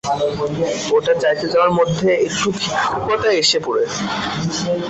ওটা চাইতে যাওয়ার মধ্যে একটু ভিক্ষুকতা এসে পড়ে।